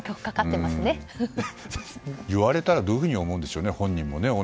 言われたらどういうふうに思うんでしょうね。